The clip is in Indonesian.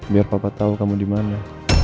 biar papa tau kamu dimana